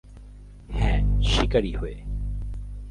হ্যাঁ, শিকারী হয়ে।